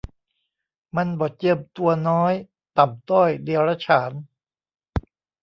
มันบ่เจียมตัวน้อย ต่ำต้อยเดียรฉาน